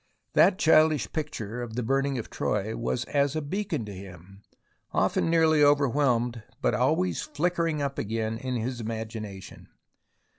That childish picture of the burning of Troy was as a beacon to him, often nearly over whelmed, but always flickering up again in his irnagination.